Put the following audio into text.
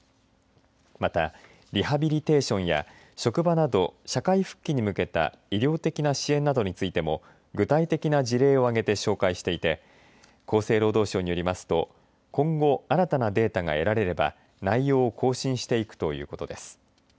また、リハビリテーションや職場など社会復帰に向けた医療的な支援などについても具体的な事例を挙げて紹介していて厚生労働省によりますと今後新たなデータが得られれば内容を更新していくということです。